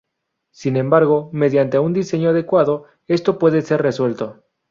Sin embargo, mediante un diseño adecuado, esto puede ser resuelto.